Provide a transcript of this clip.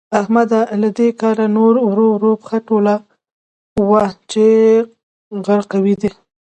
احمده؛ له دې کاره نور ورو ورو پښه ټولوه چې غرقوي دي.